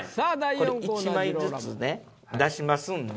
１枚ずつ出しますんで。